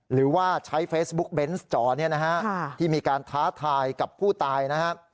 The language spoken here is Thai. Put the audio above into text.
หรือว่าใช้เฟซบุ๊กเบนส์จอเนี่ยนะฮะที่มีการท้าทายกับผู้ตายนะฮะ